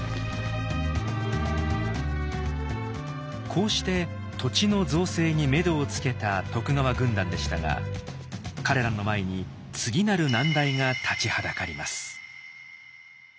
こうして土地の造成にめどをつけた徳川軍団でしたが彼らの前に次なる難題が立ちはだかります。